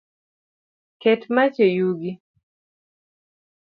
Ket mach e yugi